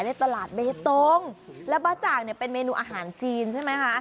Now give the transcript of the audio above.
ในตลาดเบตงแล้วบ้าจ่างเนี่ยเป็นเมนูอาหารจีนใช่ไหมคะ